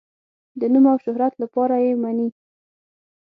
د نوم او شهرت لپاره یې مني.